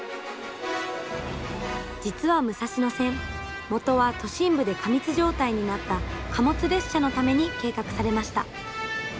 実は武蔵野線元は都心部で過密状態になった貨物列車のために計画されました。